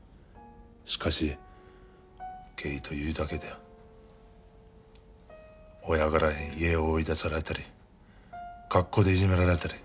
しかしゲイというだけで親から家を追い出されたり学校でいじめられたり。